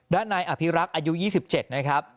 ด้านนายอภิรักษ์อายุ๒๗นะครับ